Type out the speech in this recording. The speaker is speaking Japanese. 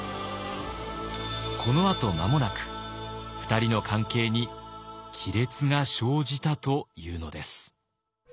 このあと間もなく２人の関係に亀裂が生じたというのです。